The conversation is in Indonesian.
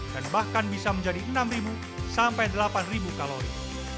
dan bahkan bisa menjadi enam sampai delapan kalori